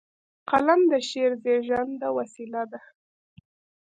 قلم د شعر زیږنده وسیله ده.